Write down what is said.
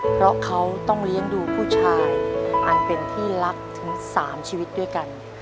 เพราะเขาต้องเลี้ยงดูผู้ชายอันเป็นที่รักถึง๓ชีวิตด้วยกัน